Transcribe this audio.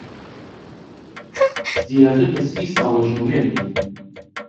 زیاتر لە سی ساڵە ژن و مێردین.